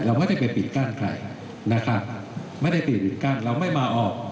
เราไม่ได้ไปปิดกั้นใครนะครับไม่ได้ไปปิดกั้นเราไม่มาออก